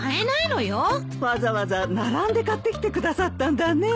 わざわざ並んで買ってきてくださったんだね。